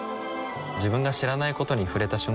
自分が知らないことに触れた瞬間